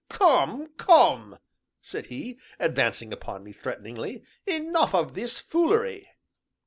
"Come, come," said he, advancing upon me threateningly, "enough of this foolery!"